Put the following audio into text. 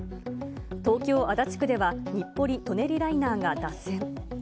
東京・足立区では日暮里・舎人ライナーが脱線。